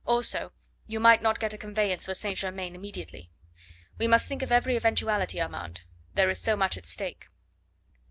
Also you might not get a conveyance for St. Germain immediately. We must think of every eventuality, Armand. There is so much at stake."